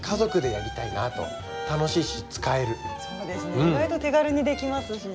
意外と手軽にできますしね。